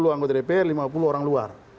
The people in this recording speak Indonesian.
lima puluh anggota dpr lima puluh orang luar